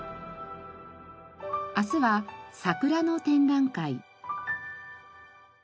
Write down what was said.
明日は桜の展覧会。